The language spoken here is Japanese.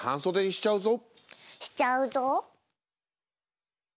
しちゃうぞ！